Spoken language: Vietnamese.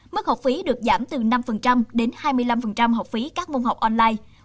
mức học phí được giảm từ năm đến hai mươi năm học phí các môn học online